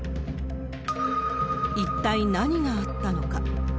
一体何があったのか。